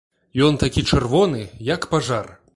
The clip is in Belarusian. Ён такі чырвоны, як пажар.